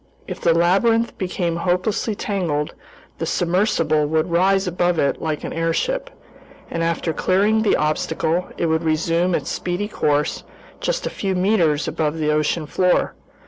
If the labyrinth became hopelessly tangled, the submersible would rise above it like an airship, and after clearing the obstacle, it would resume its speedy course just a few meters above the ocean floor.